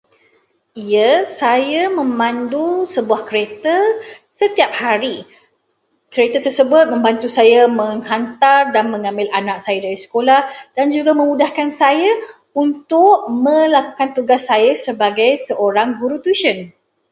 Ya, saya memandu sebuah kereta setiap hari. Kereta tersebut membantu saya menghantar dan mengambil anak dari sekolah dan juga memudahkan saya untuk melakukan tugas saya sebagai seorang guru tuisyen.